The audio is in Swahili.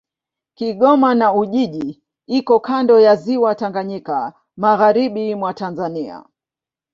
Kigoma na Ujiji iko kando ya Ziwa Tanganyika, magharibi mwa Tanzania.